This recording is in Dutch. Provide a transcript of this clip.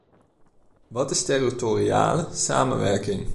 Wat is territoriale samenwerking?